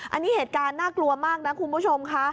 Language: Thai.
อันนี้เหตุการณ์น่ากลัวมากนะคุณผู้ชมค่ะ